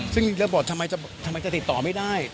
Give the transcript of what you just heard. ซึ่งระเบิดทำไมจะติดต่อไม่ได้